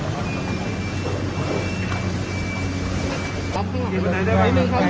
ในกาลิขาสนับสนุนเบื้อจริง